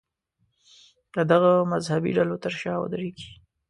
د دغو مذهبي ډلو تر شا ودرېږي.